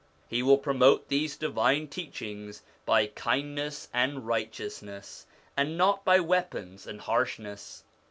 He will pro mote these divine teachings by kindness and righteous ness, and not by weapons and harshness.